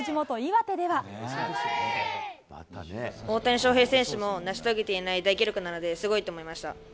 大谷翔平選手も成し遂げていない大記録なので、すごいと思いました。